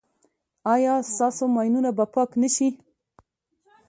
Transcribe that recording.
ایا ستاسو ماینونه به پاک نه شي؟